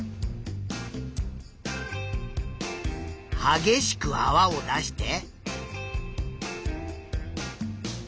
はげしくあわを出して。